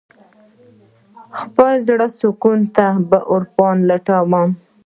د خپل زړه سکون په عرفان کې لټوم.